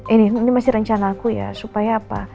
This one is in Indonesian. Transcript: ini ini masih rencana aku ya supaya apa